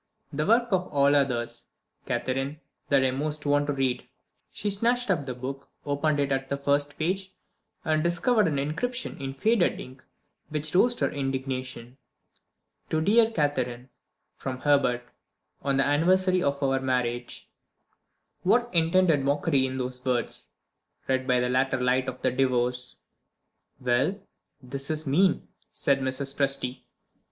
"The work of all others, Catherine, that I most want to read." She snatched up the book; opened it at the first page, and discovered an inscription in faded ink which roused her indignation. "To dear Catherine, from Herbert, on the anniversary of our marriage." What unintended mockery in those words, read by the later light of the Divorce! "Well, this is mean," said Mrs. Presty.